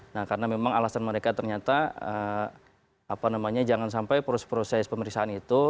nah karena memang alasan mereka ternyata jangan sampai proses proses pemeriksaan itu